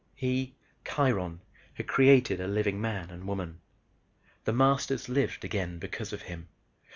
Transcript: He, Kiron, had created a living man and woman. The Masters lived again because of him.